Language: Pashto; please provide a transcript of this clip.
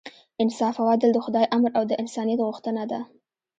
انصاف او عدل د خدای امر او د انسانیت غوښتنه ده.